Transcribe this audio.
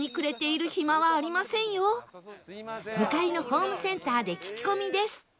向かいのホームセンターで聞き込みです